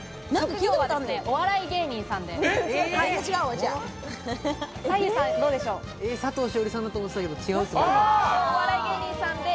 お笑い芸人さんです。